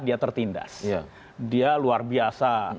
dia tertindas dia luar biasa